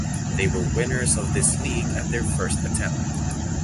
They were winners of this league at their first attempt.